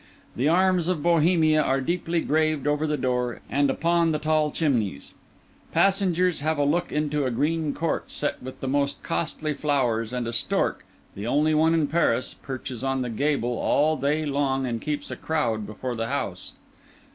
The arms of Bohemia are deeply graved over the door and upon the tall chimneys; passengers have a look into a green court set with the most costly flowers, and a stork, the only one in Paris, perches on the gable all day long and keeps a crowd before the house.